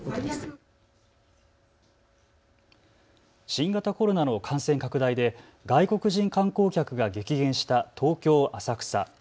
新型コロナの感染拡大で外国人観光客が激減した東京浅草。